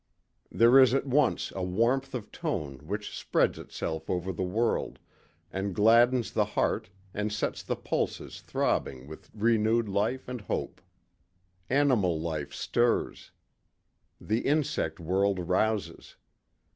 There is at once a warmth of tone which spreads itself over the world, and gladdens the heart and sets the pulses throbbing with renewed life and hope. Animal life stirs; the insect world rouses.